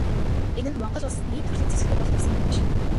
Энэ нь Монгол Улс ийм төрлийн зэвсэгтэй болно гэсэн үг биш.